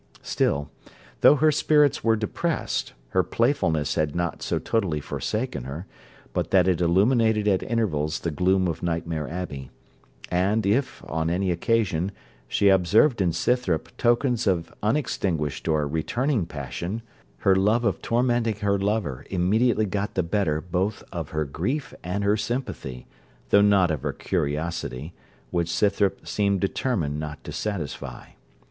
Still, though her spirits were depressed, her playfulness had not so totally forsaken her, but that it illuminated at intervals the gloom of Nightmare Abbey; and if, on any occasion, she observed in Scythrop tokens of unextinguished or returning passion, her love of tormenting her lover immediately got the better both of her grief and her sympathy, though not of her curiosity, which Scythrop seemed determined not to satisfy.